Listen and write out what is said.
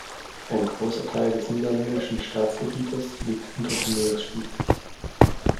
Ein großer Teil des niederländischen Staatsgebietes liegt unter dem Meeresspiegel.